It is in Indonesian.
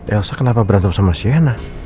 elsa kenapa berantem sama siena